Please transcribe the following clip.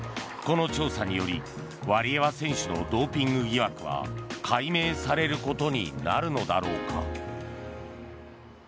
この調査によりワリエワ選手のドーピング疑惑が解明されることになるだろうか。